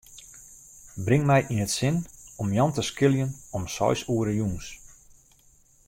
Bring my yn it sin om Jan te skiljen om seis oere jûns.